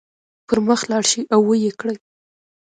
پر مخ لاړ شئ او ويې کړئ.